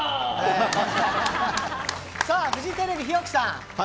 フジテレビ、日置さん。